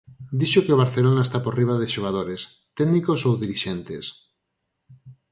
Dixo que o Barcelona está por riba de xogadores, técnicos ou dirixentes.